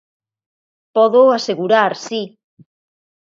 Pódoo asegurar, si.